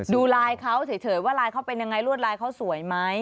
ดูไลน์เขาเฉยว่าลายเขาเป็นยังไงรวดลายเขาสวยไหม